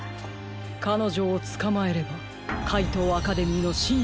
かのじょをつかまえればかいとうアカデミーのしん